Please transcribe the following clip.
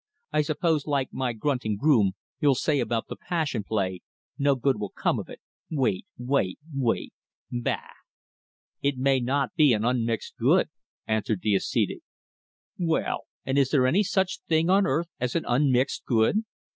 I suppose, like my grunting groom, you'll say about the Passion Play, 'No good will come of it wait wait wait!' Bah!" "It may not be an unmixed good," answered the ascetic. "Well, and is there any such thing on earth as an unmixed good?